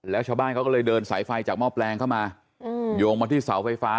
แล้วชาวบ้านเขาก็เลยเดินสายไฟจากหม้อแปลงเข้ามาโยงมาที่เสาไฟฟ้า